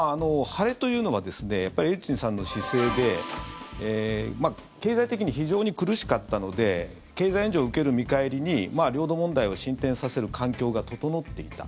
晴れというのはエリツィンさんの姿勢で経済的に非常に苦しかったので経済援助を受ける見返りに領土問題を進展させる環境が整っていた。